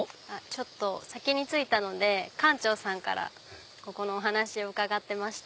ちょっと先に着いたので館長さんからお話を伺ってました。